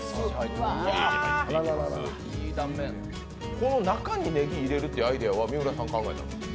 この中にねぎを入れるというアイデアは三浦さんが考えたんですか？